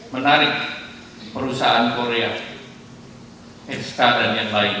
menarik perusahaan korea ekska dan yang lain